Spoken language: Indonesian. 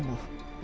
padat hingga kumuh